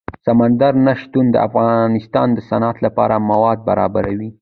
سمندر نه شتون د افغانستان د صنعت لپاره مواد برابروي.